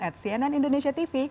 at cnn indonesia tv